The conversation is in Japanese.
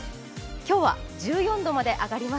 今日は１４度まで上がります。